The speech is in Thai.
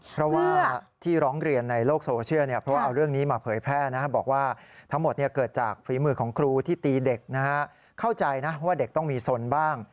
เพราะว่าที่ร้องเรียนในโลกโซเชียลเนี่ยเพราะว่าเอาเรื่องนี้มาเผยแพร่บอกว่าทั้งหมดเกิดจากฝีมือของครูที่ตีเด็กนะฮะเข้าใจนะว่าเด็กต้องมีสนบ้าง